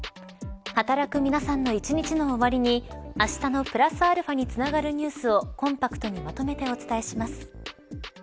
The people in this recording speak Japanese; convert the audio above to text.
働く皆さんの１日の終わりにあしたのプラスαにつながるニュースをコンパクトにまとめてお伝えします。